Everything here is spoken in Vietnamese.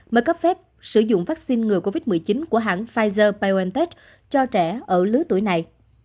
mới cấp phép sử dụng vaccine ngừa covid một mươi chín của hãng pfizer biontech cho trẻ ở lứa tuổi này